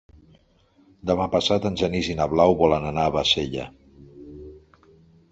Demà passat en Genís i na Blau volen anar a Bassella.